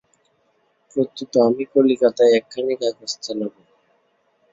প্রত্যুত আমি কলিকাতায় একখানি কাগজ চালাব।